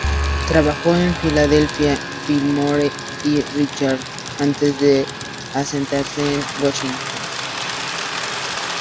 Trabajó en Filadelfia, Baltimore y Richmond antes de asentarse en Washington.